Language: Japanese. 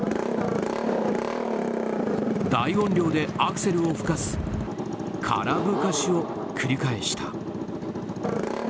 大音量でアクセルをふかす空ぶかしを繰り返した。